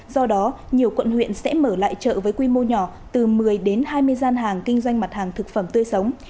do đó nhiều quận huyện sẽ mở lại chợ với quy mô nhỏ từ một mươi đến hai mươi gian hàng kinh doanh mặt hàng thực phẩm tươi sống